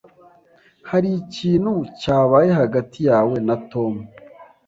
Hari ikintu cyabaye hagati yawe na Tom?